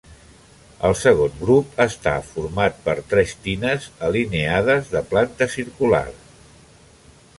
El segon grup està formant per tres tines, alineades, de planta circular.